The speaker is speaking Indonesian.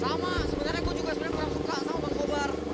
sama sebenarnya gue juga sebenarnya kurang suka sama black cobra